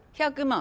１００万？